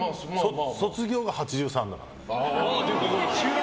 卒業が１８３だから。